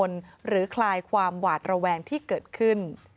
ให้คลายความกังวลหรือคลายความหวาดระแวงที่เกิดขึ้น